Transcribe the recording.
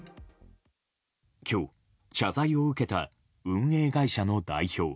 今日、謝罪を受けた運営会社の代表。